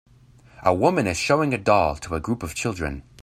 A woman is showing a doll to a group of children.